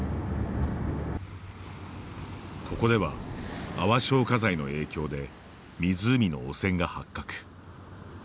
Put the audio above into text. ここでは、泡消火剤の影響で湖の汚染が発覚。